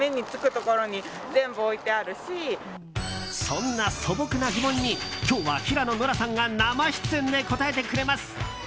そんな素朴な疑問に今日は平野ノラさんが生出演で答えてくれます。